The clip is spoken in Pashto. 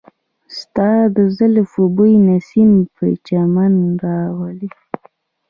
ستا د زلفو بوی نسیم په چمن راوړ.